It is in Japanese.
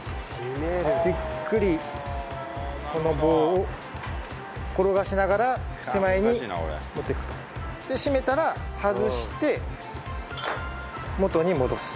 ゆっくりこの棒を転がしながら手前に持っていくと。で締めたら外して元に戻す。